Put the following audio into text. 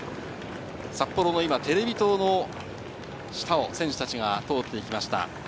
さっぽろテレビ塔の下を選手たちが通って行きました。